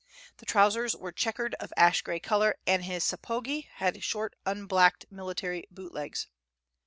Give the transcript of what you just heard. The trousers were checkered, of ash gray color, and his sapogi had short, unblacked military bootlegs.